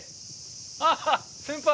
あっ先輩。